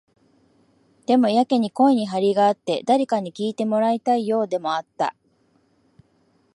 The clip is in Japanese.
でも、やけに声に張りがあって、誰かに聞いてもらいたいようでもあった。